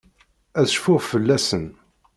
Ad cfuɣ fell-asen.